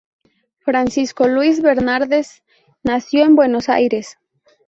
Francisco Luis Bernárdez nació en Buenos Aires.